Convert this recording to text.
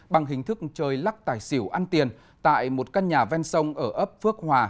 bằng hình thức chơi lắc tài xỉu ăn tiền tại một căn nhà ven sông ở ấp phước hòa